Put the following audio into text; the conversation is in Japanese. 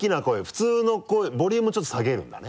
普通の声ボリュームちょっと下げるんだね？